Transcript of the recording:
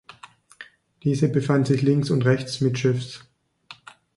Diese befanden sich links und rechts mittschiffs.